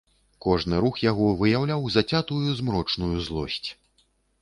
Кожны рух яго выяўляў зацятую змрочную злосць.